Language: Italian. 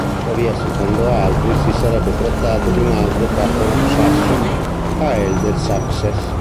Tuttavia, secondo altri si sarebbe trattato di un altro capo sassone, Aelle del Sussex.